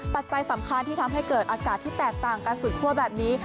ปัจจัยสำคัญที่ทำให้เกิดอากาศที่แตกต่างกันสุดคั่วแบบนี้